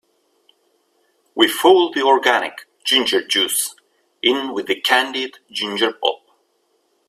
We fold the organic ginger juice in with the candied ginger pulp.